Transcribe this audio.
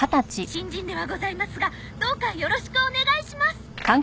新人ではございますがどうかよろしくお願いします。